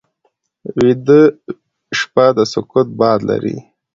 ویده شپه د سکوت باد لري